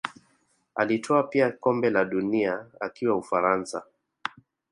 Alitwaa pia kombe la dunia akiwa Ufaransa